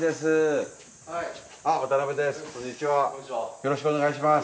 よろしくお願いします。